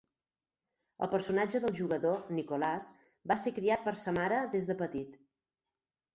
El personatge del jugador, Nicholas, va ser criat per sa mare des de petit.